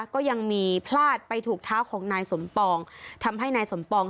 ก็ยังมีพลาดไปถูกเท้าของนายสมปองทำให้นายสมปอง